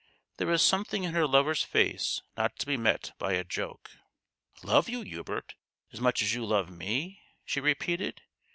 There was something in her lover's face not to be met by a joke. " Love you, Hubert ? as much as you love me ?" she repeated.